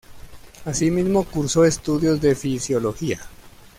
Asimismo cursó estudios de Fisiología.